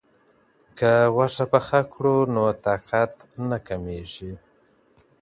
که غوښه پخه کړو نو طاقت نه کمیږي.